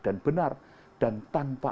dan benar dan tanpa